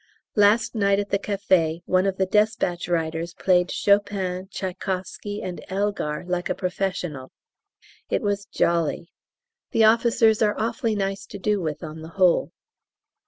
Last night at the café, one of the despatch riders played Chopin, Tchaikowsky, and Elgar like a professional. It was jolly. The officers are awfully nice to do with on the whole.